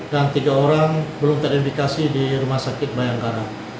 dan tiga orang belum teredifikasi di rumah sakit bayangkara